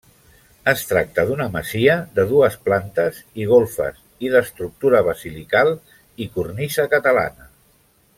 Es tracta d'una masia de dues plantes i golfes i d'estructura basilical i cornisa catalana.